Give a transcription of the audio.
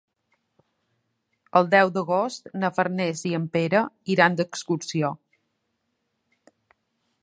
El deu d'agost na Farners i en Pere iran d'excursió.